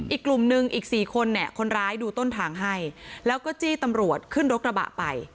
อีกกลุ่มนึงอีก๔คนเนี่ยคนร้ายดูต้นทางให้แล้วก็จี้ตำรวจขึ้นรถกระบะไป